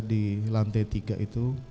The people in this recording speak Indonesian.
di lantai tiga itu